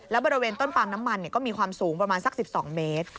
และบริเวณต้นปาล์มน้ำมันก็มีความสูงประมาณสัก๑๒เมตร